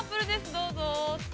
どうぞ。